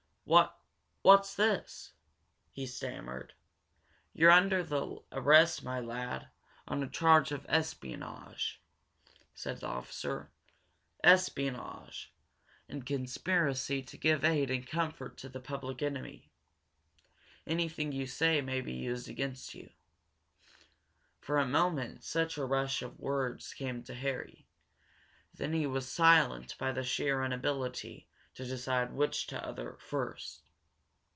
"What what's this?" he stammered. "You're under arrest, my lad, on a charge of espionage!" said the officer. "Espionage, and conspiracy to give aid and comfort to the public enemy. Anything you say may be used against you." For a moment such a rush of words came to Harry, that he was silent by the sheer inability to decide which to utter first.